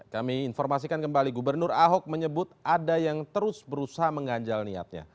kami informasikan kembali gubernur ahok menyebut ada yang terus berusaha menganjal niatnya